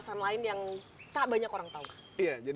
ini juga adalah pada saat